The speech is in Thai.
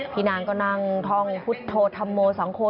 พี่นางก็นั่งท่องฮุธโทธำโมสังโคร